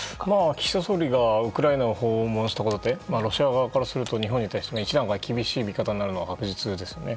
岸田総理がウクライナを訪問したことでロシア側からすると日本に対して厳しい見方になるのは確実ですよね。